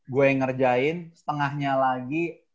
gue ngerjain setengahnya lagi